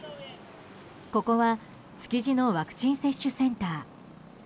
ここは築地のワクチン接種センター。